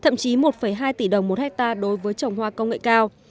thậm chí một hai tỷ đồng một hectare đối với trồng hoa công nghệ cao